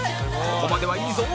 ここまではいいぞ！